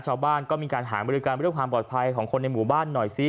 ชาวบ้านก็มีการหารไปด้วยกันด้วยความปลอดภัยของคนในหมู่บ้านหน่อยซิ